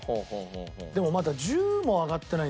でもまだ１０も挙がってないんでしょ？